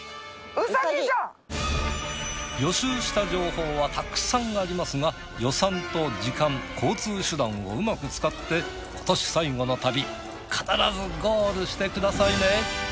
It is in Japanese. ウサギ。予習した情報はたくさんありますが予算と時間交通手段をうまく使って今年最後の旅必ずゴールしてくださいね。